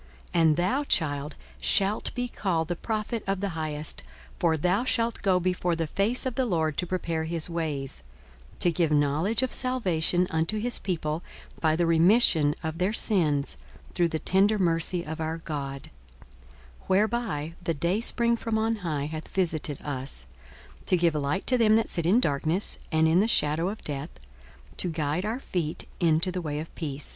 42:001:076 And thou, child, shalt be called the prophet of the Highest: for thou shalt go before the face of the Lord to prepare his ways; 42:001:077 To give knowledge of salvation unto his people by the remission of their sins, 42:001:078 Through the tender mercy of our God; whereby the dayspring from on high hath visited us, 42:001:079 To give light to them that sit in darkness and in the shadow of death, to guide our feet into the way of peace.